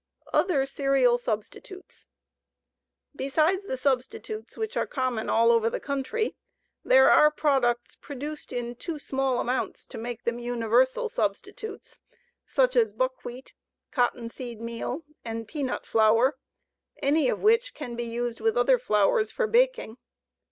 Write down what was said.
Other Cereal Substitutes. Besides the substitutes which are common all over the country, there are products produced in too small amounts to make them universal substitutes, such as buckwheat, cottonseed meal, and peanut flour, any of which can be used with other flours for baking.